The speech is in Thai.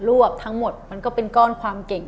วบทั้งหมดมันก็เป็นก้อนความเก่ง